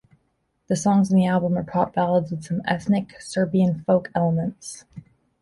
The songs in the album are Pop ballads with some ethnic Serbian folk elements.